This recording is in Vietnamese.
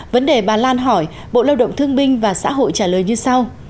vấn đề bà lan hỏi bộ lao động thương binh và xã hội trả lời như sau